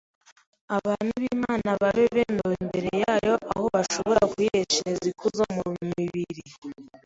abantu b’Imana babe bemewe imbere yayo, aho bashobora kuyiheshereza ikuzo mu mibiri